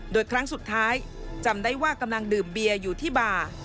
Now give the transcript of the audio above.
โดยครั้งสุดท้ายจำได้ว่ากำลังดื่มเบียร์อยู่ที่บ่า